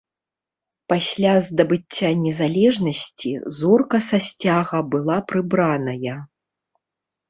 Пасля здабыцця незалежнасці зорка са сцяга была прыбраная.